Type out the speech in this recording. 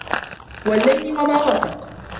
وَاللَّيلِ وَما وَسَقَ